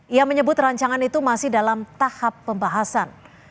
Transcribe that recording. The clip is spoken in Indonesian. ia menyebut rancangan itu masih dalam tahap pembahasan